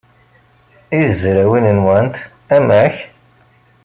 I tezrawin-nwent, amek?